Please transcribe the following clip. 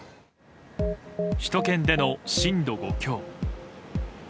首都圏での震度５強。